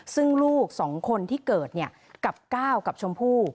ซึ่งลูกสองคนที่เกิดเนี่ยกับเก้ากับชมพู